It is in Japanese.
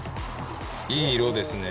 いい色ですね。